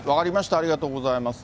ありがとうございます。